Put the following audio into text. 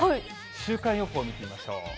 週間予報を見てみましょう。